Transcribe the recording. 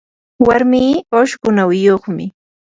warmii ushqu nawiyuqmi.